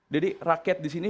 jadi rakyat di sini